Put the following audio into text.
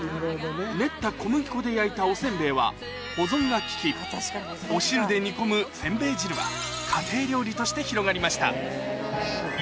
練った小麦粉で焼いたおせんべいは保存が利きお汁で煮込むせんべい汁は家庭料理として広がりました